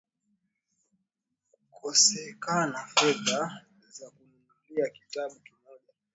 Kukosekana fedha za kununulia kitabu kimoja?